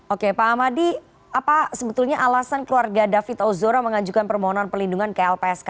oke pak ahmadi apa sebetulnya alasan keluarga david ozora mengajukan permohonan perlindungan ke lpsk